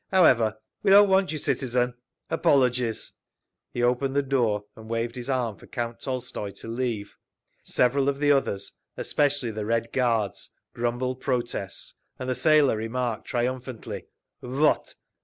However, we don't want you, citizen. Apologies—" He opened the door and waved his arm for Count Tolstoy to leave. Several of the others, especially the Red Guards, grumbled protests, and the sailor remarked triumphantly, _"Vot!